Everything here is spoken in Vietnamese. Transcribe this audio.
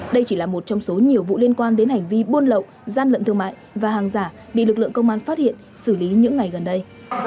đây chỉ là một trong số nhiều vụ liên quan đến hành vi buôn lậu gian lận thương mại và hàng giả bị lực lượng công an phát hiện xử lý những ngày gần đây